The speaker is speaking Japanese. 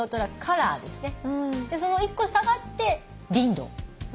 その一個下がってリンドウ。